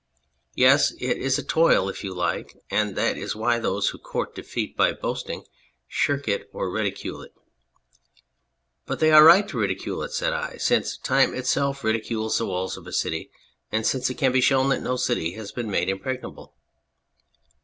Yes, it is a toil if you like, and that is why those who court defeat by boasting shirk it or ridicule it." " But they are right to ridicule it," said I, " since time itself ridicules the walls of a city, and since it can be shown that no city has been made impregnable."